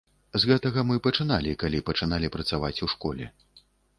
З гэтага мы пачыналі, калі пачыналі працаваць у школе.